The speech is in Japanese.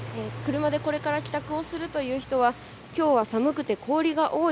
車でこれから帰宅をするという方は、きょうは寒くて氷が多い。